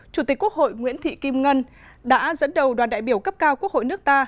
chủ tịch quốc hội nguyễn thị kim ngân đã dẫn đầu đoàn đại biểu cấp cao quốc hội nước ta